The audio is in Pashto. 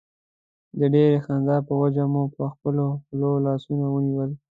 د ډېرې خندا په وجه مو پر خپلو خولو لاسونه ونیول.